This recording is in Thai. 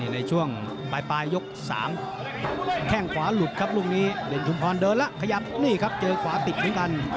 ในช่วงปลายยก๓แข้งขวาหลุดครับลูกนี้เด่นชุมพรเดินแล้วขยับนี่ครับเจอขวาติดเหมือนกัน